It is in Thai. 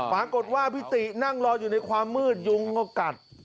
ปรากฏว่าพี่ตินั่งรออยู่ในความมืดยุงก็กัด